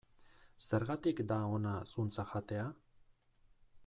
Zergatik da ona zuntza jatea?